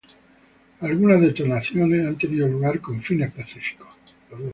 Algunas detonaciones han tenido lugar con fines pacíficos.